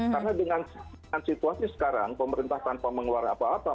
karena dengan situasi sekarang pemerintah tanpa mengeluarkan apa apa